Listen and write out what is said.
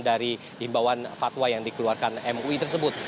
dari himbauan fatwa yang dikeluarkan mui tersebut